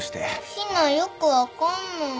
陽菜よく分かんない。